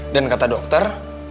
dan kata dokter